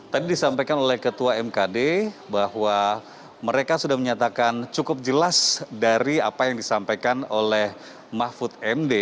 tadi disampaikan oleh ketua mkd bahwa mereka sudah menyatakan cukup jelas dari apa yang disampaikan oleh mahfud md